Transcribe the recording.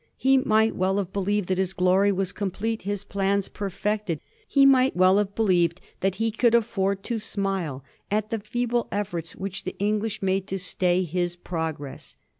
He might well have believed that his glory was complete, his plans perfected; he might well have believed that he could afford to smile at the feeble efforts which the English made to stay his progress.